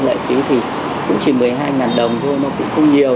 lệ phí thì cũng chỉ một mươi hai đồng thôi nó cũng không nhiều